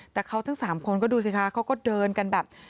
แต่เขาทั้ง๓คนก็ดูสิคะเขาก็เดินกันแบบ